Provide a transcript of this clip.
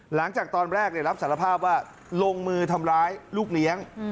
หลังจากตอนแรกรับสารภาพว่าลงมือทำร้ายลูกเลี้ยง